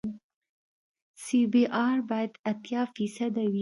سی بي ار باید اتیا فیصده وي